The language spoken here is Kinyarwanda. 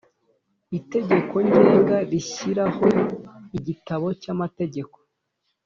Itegeko Ngenga rishyiraho Igitabo cy amategeko